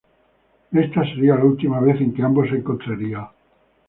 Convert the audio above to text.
Esta sería la última vez en que ambos se encontrarían.